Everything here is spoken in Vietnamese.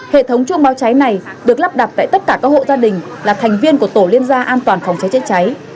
hệ thống chuông báo cháy này được lắp đặt tại tất cả các hộ gia đình là thành viên của tổ liên gia an toàn phòng cháy chữa cháy